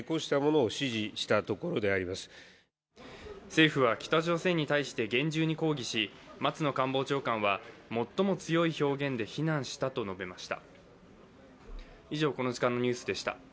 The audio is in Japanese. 政府は北朝鮮に対して厳重に抗議し、松野官房長官は最も強い表現で非難したと述べました。